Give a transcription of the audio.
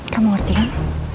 kamu ngerti kan